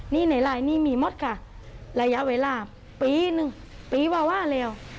นี่ในลายนี้มีหมดค่ะระยะเวลาปีหนึ่งปีว่าว่าแล้ว